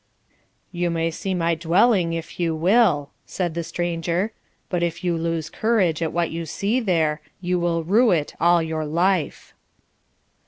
'You may see my dwelling if you will,' said the stranger; 'but if you lose courage at what you see there, you will rue it all your life.'